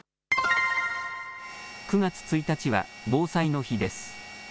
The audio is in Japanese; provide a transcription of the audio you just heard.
９月１日は防災の日です。